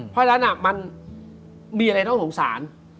เพราะฉะนั้นมันมีอะไรต้องสงสาร